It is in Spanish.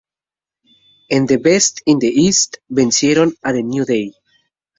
En The Beast in the East, vencieron a The New Day.